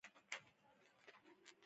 کوتره د ښکلا یو مثال دی.